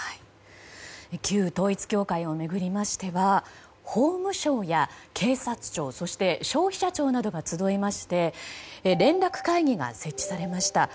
旧統一教会を巡りましては法務省や警察庁そして消費者庁などが集いまして連絡会議が設置されました。